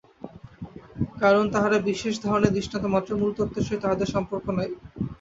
কারণ তাঁহারা বিশেষ ধরনের দৃষ্টান্ত মাত্র, মূলতত্ত্বের সহিত তাঁহাদের সম্পর্ক নাই।